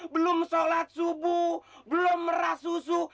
belum sholat subuh belum merah susu